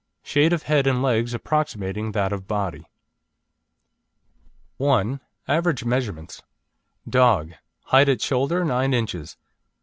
Shade of head and legs approximating that of body. 1. AVERAGE MEASUREMENTS: DOG Height at shoulder, 9 inches.